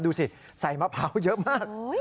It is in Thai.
ดูสิใส่มะพร้าวเยอะมาก